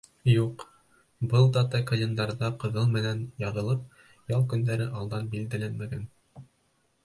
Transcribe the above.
Юҡ, был дата календарҙа ҡыҙыл менән яҙылып, ял көндәре алдан билдәләнмәгән.